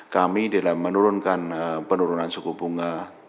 kami dalam menurunkan penurunan suku bunga